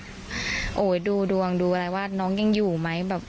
โอ๊ยดูดวงดูอะไรว่าน้องยังอยู่ไหมดุดวงดูอะไรว่าน้องยังอยู่ไหม